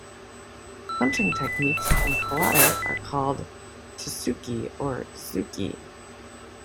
Punching techniques in Karate are called "tsuki" or "zuki".